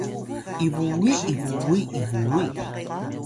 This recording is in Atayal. ibuwi ibuwi ibuwi